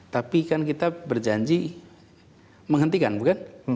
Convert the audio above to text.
tapi kan kita berjanji menghentikan bukan